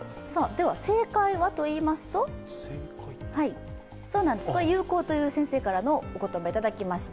正解はといいますと有効という先生からのお言葉をいただきました。